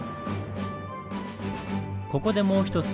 ここでもう一つ